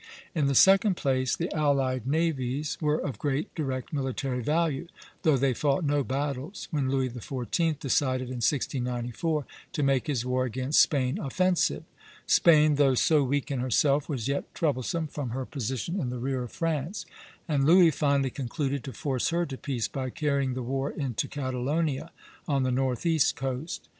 In the second place, the allied navies were of great direct military value, though they fought no battles, when Louis XIV. decided in 1694 to make his war against Spain offensive. Spain, though so weak in herself, was yet troublesome from her position in the rear of France; and Louis finally concluded to force her to peace by carrying the war into Catalonia, on the northeast coast.